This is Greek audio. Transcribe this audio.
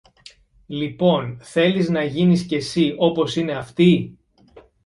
Λοιπόν, θέλεις να γίνεις και συ όπως είναι αυτοί;